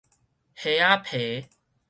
蝦仔皮